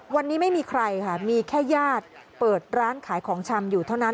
วันนี้ไม่มีใครค่ะมีแค่ญาติเปิดร้านขายของชำอยู่เท่านั้น